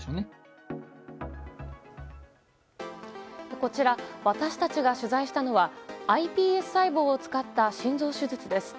こちら、私たちが取材したのはｉＰＳ細胞を使った心臓手術です。